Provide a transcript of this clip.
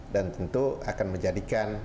dan tentu akan menjadikan